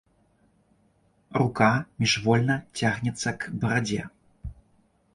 Рука міжвольна цягнецца к барадзе.